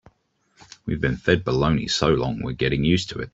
We've been fed baloney so long we're getting used to it.